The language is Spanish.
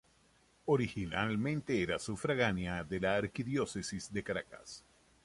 Originalmente era sufragánea de la arquidiócesis de Caracas.